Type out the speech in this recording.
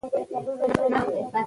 ایرانۍ توري ډیري تیزي دي.